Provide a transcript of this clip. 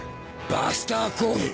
バスターコール。